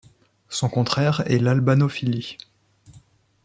Son contraire est l'albanophilie.